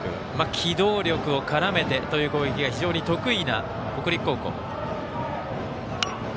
機動力を絡めてという攻撃が非常に得意な北陸高校です。